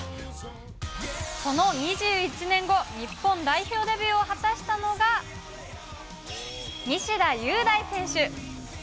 その２１年後、日本代表デビューを果たしたのが、西田優大選手。